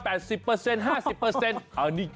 ห้าสิบเปอร์เซ็นต์